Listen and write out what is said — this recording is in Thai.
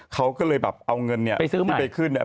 เขาก็เลยแบบเอาเงินเนี่ยไปซื้อใหม่